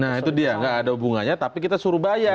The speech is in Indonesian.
nah itu dia nggak ada hubungannya tapi kita suruh bayar